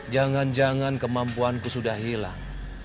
jangan jangan kemampuanku sudah hilang